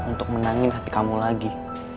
untuk menangin hati kamu lagi